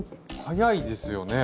はやいですよね。